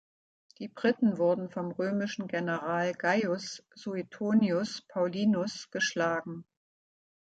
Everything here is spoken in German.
Die Briten wurden vom römischen General Gaius Suetonius Paulinus geschlagen.